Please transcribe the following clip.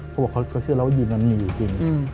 เขาบอกเขาเชื่อแล้วว่ายีนนั้นมีอยู่จริง